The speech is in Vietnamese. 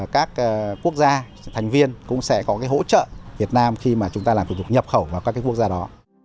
các quốc gia thành viên cũng sẽ có hỗ trợ việt nam khi mà chúng ta làm thủ tục nhập khẩu vào các quốc gia đó